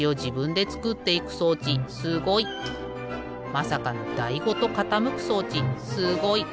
まさかのだいごとかたむく装置すごい！